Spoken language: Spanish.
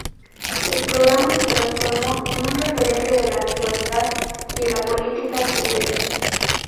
El programa se transformó en un referente de la actualidad y la política chilena.